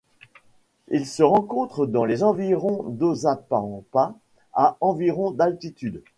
Elle se rencontre dans les environs d'Oxapampa à environ d'altitude.